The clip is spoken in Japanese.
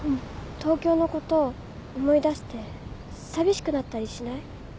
東京のことを思い出して寂しくなったりしない？